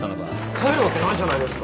帰るわけないじゃないですか。